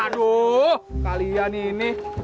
aduh kalian ini